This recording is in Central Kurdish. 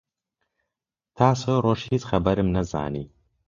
تا سێ ڕۆژ هیچ خەبەرم نەزانی